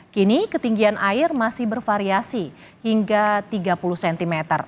kini ketinggian air masih bervariasi hingga tiga puluh cm